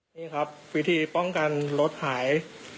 นี่ครับวิธีป้องกันรถหาย